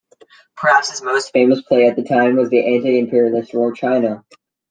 Perhaps his most famous play at the time was the anti-imperialist Roar China!